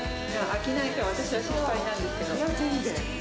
飽きないか私は心配なんです全然。